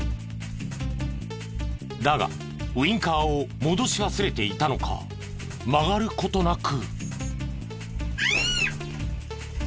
だがウィンカーを戻し忘れていたのか曲がる事なく。